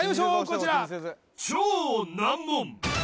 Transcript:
こちら